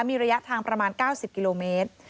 มีระยะทางประมาณ๙๐กิโลเมตร